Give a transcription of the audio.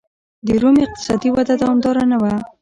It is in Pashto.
د روم اقتصادي وده دوامداره نه وه